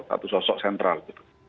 satu sosok sentral gitu